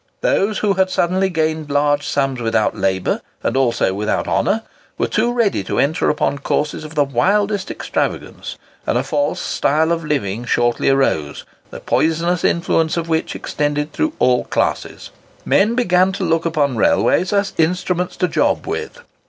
Those who had suddenly gained large sums without labour, and also without honour, were too ready to enter upon courses of the wildest extravagance; and a false style of living shortly arose, the poisonous influence of which extended through all classes. Men began to look upon railways as instruments to job with.